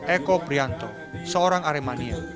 eko prianto seorang aremania